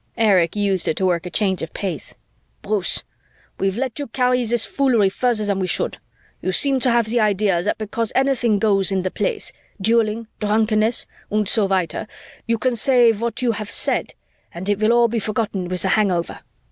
Erich used it to work a change of pace. "Bruce! We've let you carry this foolery further than we should. You seem to have the idea that because anything goes in the Place dueling, drunkenness, und so weiter you can say what you have and it will all be forgotten with the hangover.